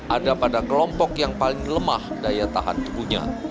ada pada kelompok yang paling lemah daya tahan tubuhnya